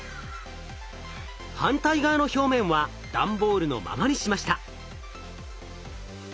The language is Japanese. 反対側の表面は段ボールのままにしました。